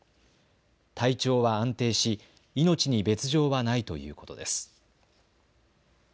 体調は安定し命に別状はないということです。